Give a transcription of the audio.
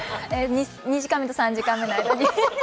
２時間目と３時間目の間に。